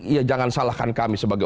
iya jangan salahkan kami sebagai